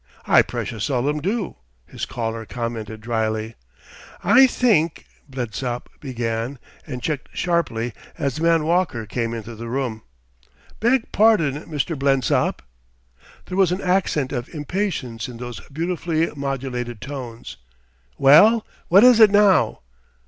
"I precious seldom do," his caller commented drily. "I think " Blensop began, and checked sharply as the man Walker came into the room. "Beg pardon, Mr. Blensop " There was an accent of impatience in those beautifully modulated tones: "Well, what is it now?"